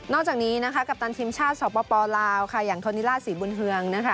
นอกจากนี้กัปตันทีมชาติสปปลาวอย่างธนิราชศรีบุญเฮือง